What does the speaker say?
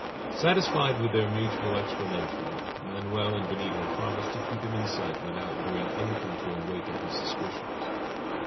Satisfied with their mutual explanation, Manoel and Benito promised to keep him in sight without doing anything to awaken his suspicions.